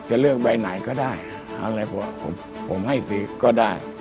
จะเลือกใบไหนก็ได้อะไรผมให้ฟรีก็ได้